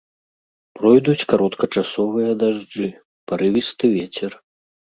Пройдуць кароткачасовыя дажджы, парывісты вецер.